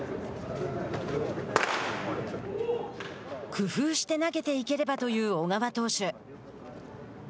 工夫して投げていければという小川投手。